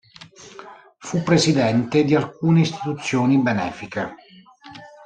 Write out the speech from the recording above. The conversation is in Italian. Fu presidente di alcune istituzioni benefiche.